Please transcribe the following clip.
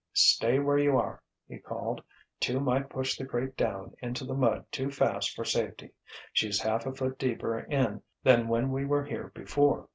"Stay where you are," he called. "Two might push the crate down into the mud too fast for safety. She's half a foot deeper in than when we were here before.